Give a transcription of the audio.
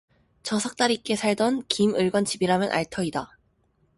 저 석다리께 살던 김 의관 집이라면 알 터이다.